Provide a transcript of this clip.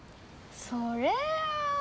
それは。